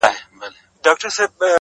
تـا كــړلــه خـــپـــره اشــــنـــــا!!